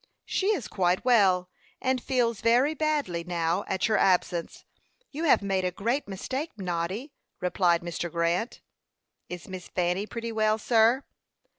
"She is quite well, and feels very badly now at your absence. You have made a great mistake, Noddy," replied Mr. Grant. "Is Miss Fanny pretty well, sir?"